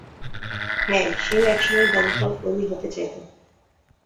হ্যা, সেও একসময় দমকল কর্মী হতে চাইতো।